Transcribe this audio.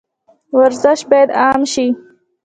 ورزش باید عام شي